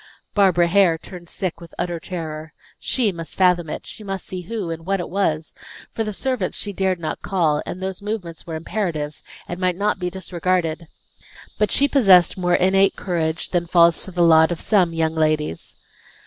Barbara Hare turned sick with utter terror. She must fathom it; she must see who, and what it was; for the servants she dared not call, and those movements were imperative, and might not be disregarded. But she possessed more innate courage than falls to the lot of some young ladies.